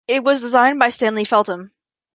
It was designed by Stanley Feltham.